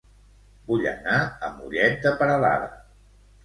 Vull anar a Mollet de Peralada